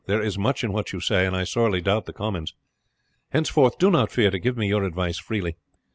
There is much in what you say, and I sorely doubt the Comyns. Henceforth do not fear to give me your advice freely.